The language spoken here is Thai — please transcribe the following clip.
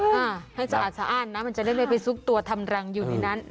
ให้จะอ่านนะมันจะไม่เคยไปซุกตัวทำรังอยู่ที่นั้น